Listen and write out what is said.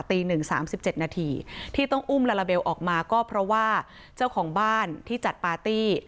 ตี๑๓๗นาทีที่ต้องอุ้มลาลาเบลออกมาก็เพราะว่าเจ้าของบ้านที่จัดปาร์ตี้